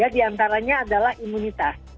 di antaranya adalah imunitas